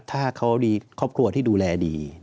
ถ้าเขาดีครอบครัวที่ดูแลดี